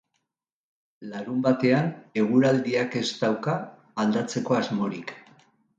Larunbatean, eguraldiak ez dauka aldatzeko asmorik.